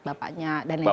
bapaknya dan lain sebagainya